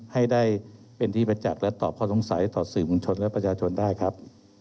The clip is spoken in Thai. ให้ได้เป็นที่ประจักษ์และตอบข้อสงสัยต่อสื่อมวลชนและประชาชนได้ครับ